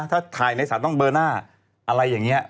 ถ้าถ่ายในสารต้องเบอร์หน้า